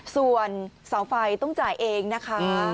ส่วนเสาไฟต้องจ่ายเองนะคะ